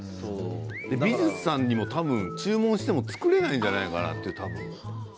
美術さんにも多分注文しても作れないじゃないかな。